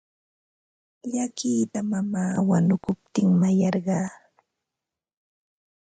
Llakita mamaa wanukuptin mayarqaa.